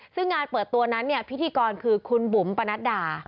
ซึ่งงานเปิดตัวนั้นเนี่ยพิธีกรคือคุณบุ๋มปนัดดา